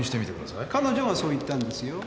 彼女がそう言ったんですよ。